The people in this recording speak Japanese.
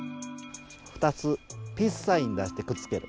２つピースサイン出してくっつける。